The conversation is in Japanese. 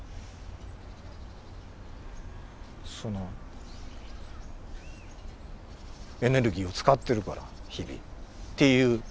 そのエネルギーを使ってるから日々っていう論理なんだけど。